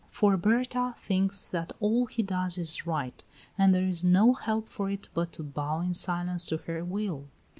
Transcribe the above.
For Berta thinks that all he does is right, and there is no help for it but to bow in silence to her will.